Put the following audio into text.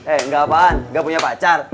eh gapaan gak punya pacar